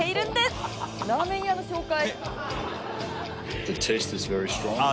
「ラーメン屋の紹介？」